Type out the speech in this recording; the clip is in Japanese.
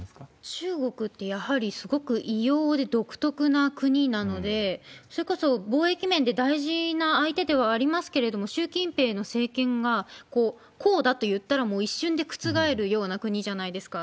中国ってやはり、すごく異様で独特な国なので、それこそ貿易面で大事な相手ではありますけれども、習近平の政権が、こうだと言ったら、もう一瞬で覆るような国じゃないですか。